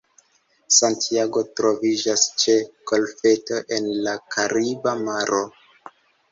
Santiago troviĝas ĉe golfeto en la Kariba Maro.